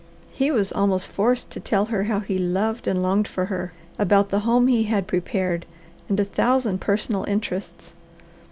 He was almost forced to tell her how he loved and longed for her; about the home he had prepared; of a thousand personal interests.